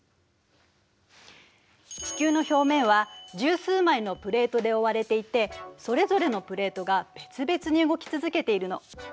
地球の表面は十数枚のプレートでおおわれていてそれぞれのプレートが別々に動き続けているの。